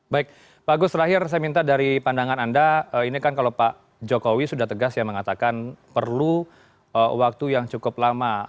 baik pak agus terakhir saya minta dari pandangan anda ini kan kalau pak jokowi sudah tegas ya mengatakan perlu waktu yang cukup lama